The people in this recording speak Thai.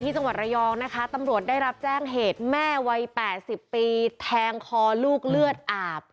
จังหวัดระยองนะคะตำรวจได้รับแจ้งเหตุแม่วัย๘๐ปีแทงคอลูกเลือดอาบ